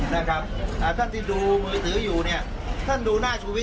มันแล้วแต่ท่านท่านรักใครเอิ่มใครได้ทั้งนั้น